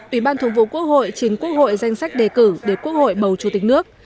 ủy ban thường vụ quốc hội chính quốc hội danh sách đề cử để quốc hội bầu chủ tịch nước